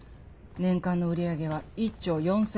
年間の売り上げは１兆４０００億。